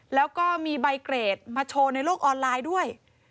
แล้วก็มีใบเกรดมาโชว์ในโลกออนไลน์ด้วย